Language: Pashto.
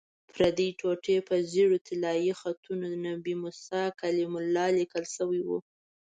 پردې ټوټې په ژېړو طلایي خطونو 'نبي موسی کلیم الله' لیکل شوي وو.